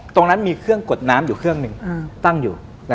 ตรงนั้นมีเครื่องกดน้ำอยู่เครื่องหนึ่งตั้งอยู่